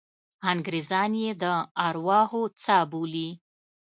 انګریزان یې د ارواحو څاه بولي.